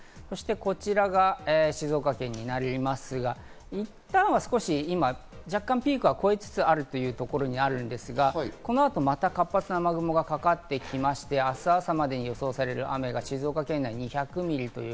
こちらが静岡県になりますが、いったんは少し若干ピークは超えつつあるというところにあるんですが、この後また活発な雨雲がかかってきまして、明日朝までに予想される雨が静岡県内２００ミリ。